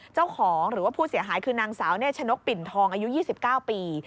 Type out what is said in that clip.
เจ้าของหรือว่าผู้เสียหายคือนางสาวเนชนกปิ่นทองอายุ๒๙ปี